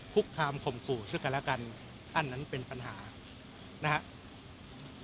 คุกคามข่มขู่ซึ่งกันแล้วกันอันนั้นเป็นปัญหานะครับ